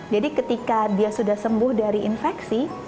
jadi ketika dia sudah sembuh dari infeksi